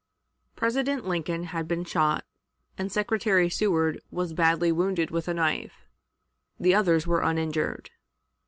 President Lincoln had been shot, and Secretary Seward was badly wounded with a knife. The others were uninjured.